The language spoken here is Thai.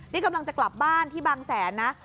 นี่กำลังจะกลับบ้านที่บางแสนนะ